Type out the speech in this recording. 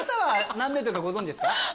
何ｍかご存じですか？